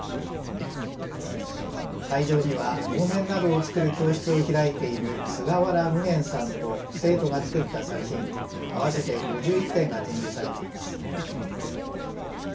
会場には能面などを作る教室を開いている菅原夢玄さんと生徒が作った作品合わせて５１点が展示されています。